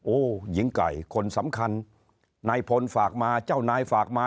โอ้โหหญิงไก่คนสำคัญนายพลฝากมาเจ้านายฝากมา